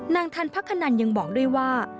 นางทันพระคนนันต์ยังบอกด้วยว่า